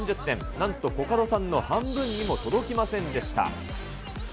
なんと、コカドさんの半分にも届きませんでした。